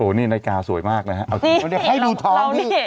โอ้นี่นายกาสวยมากนะครับให้ดูท้องนี่